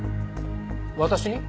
私に？